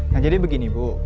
nah jadi begini bu